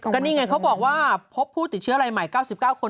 ก็นี่ไงเขาบอกว่าพบผู้ติดเชื้อรายใหม่๙๙คน